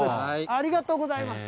ありがとうございます。